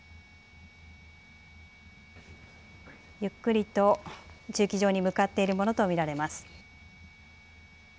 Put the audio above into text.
ゆっくりと駐機場に向かっているものと見られます。